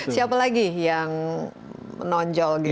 siapa lagi yang menonjol gitu